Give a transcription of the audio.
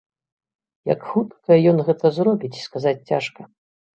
Як хутка ён гэта зробіць, сказаць цяжка.